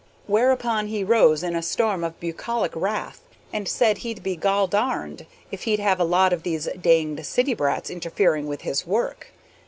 Whereupon he rose in a storm of bucolic wrath, and said he'd be gol darned if he'd have a lot of these danged city brats interfering with his work.